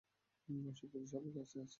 সবকিছু স্বাভাবিক অবস্থাতেই আছে।